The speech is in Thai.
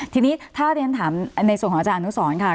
ทีนี้ถ้าเรียนถามในส่วนของอาจารย์อนุสรค่ะ